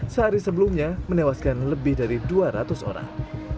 sehari sebelumnya menewaskan lebih dari dua ratus orang